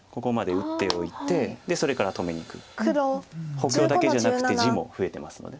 補強だけじゃなくて地も増えてますので。